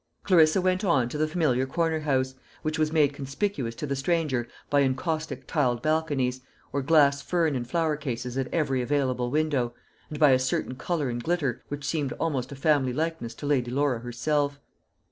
Clarissa went on to the familiar corner house, which was made conspicuous to the stranger by encaustic tiled balconies, or glass fern and flower cases at every available window, and by a certain colour and glitter which seemed almost a family likeness to Lady Laura herself.